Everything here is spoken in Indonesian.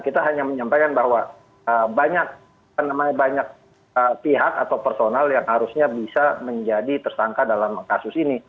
kita hanya menyampaikan bahwa banyak pihak atau personal yang harusnya bisa menjadi tersangka dalam kasus ini